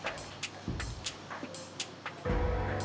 mereka pasti akan terpisah